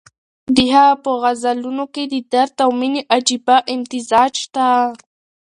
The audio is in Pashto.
د هغه په غزلونو کې د درد او مېنې عجیبه امتزاج شته.